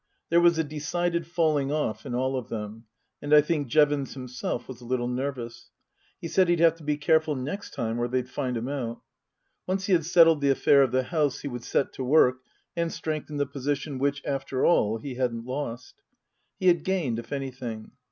There was a decided falling off in all of them, and I think Jevons himself was a little nervous. He said he'd have to be careful next time or they'd find him out. Once he had settled the affair of the house he would set to work and strengthen the position which, after all, he hadn't lost. He had gained, if anything.